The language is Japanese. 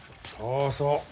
そうそう。